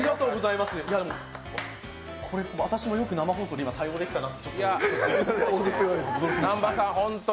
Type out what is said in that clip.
いやでもこれ、私もよく生放送で対応できたなと。